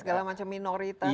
segala macam minoritas disitu